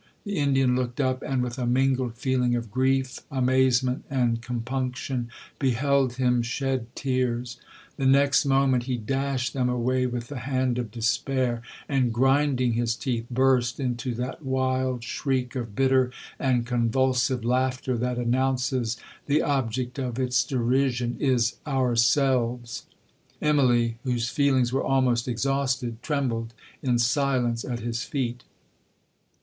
The Indian looked up, and, with a mingled feeling of grief, amazement, and compunction, beheld him shed tears. The next moment he dashed them away with the hand of despair; and, grinding his teeth, burst into that wild shriek of bitter and convulsive laughter that announces the object of its derision is ourselves. 'Immalee, whose feelings were almost exhausted, trembled in silence at his feet.